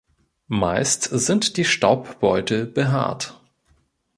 Meist sind die Staubbeutel behaart.